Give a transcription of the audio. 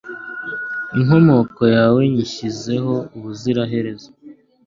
Inkomoko yawe nyishyizeho ubuziraherezo